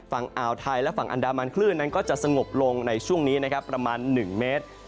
ฝั่งอ่าวไทยและฝั่งอันดามันคลื่นนั้นก็จะสงบลงในช่วงนี้นะครับประมาณ๑เมตร